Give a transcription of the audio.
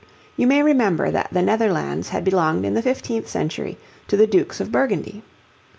You may remember that the Netherlands had belonged in the fifteenth century to the Dukes of Burgundy?